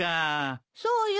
そうよ。